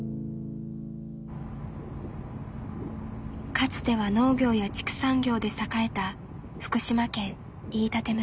かつては農業や畜産業で栄えた福島県飯舘村。